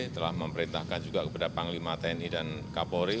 telah memerintahkan juga kepada panglima tni dan kapolri